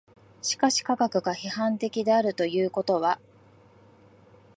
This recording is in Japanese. しかし科学が批判的であるということは